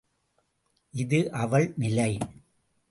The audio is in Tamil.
இது அவள் நிலை.